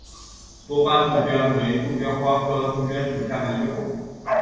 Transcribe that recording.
多斑杜鹃为杜鹃花科杜鹃属下的一个种。